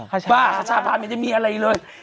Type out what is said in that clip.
บ้าขชาพานไม่ได้มีอะไรเลย